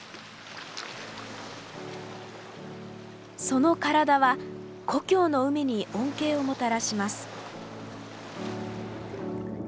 その体は故郷の海に恩恵をもたらします。